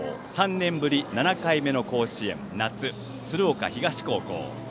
３年ぶり７回目の甲子園夏鶴岡東高校。